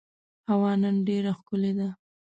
هوا نن ډېره ښکلې ده.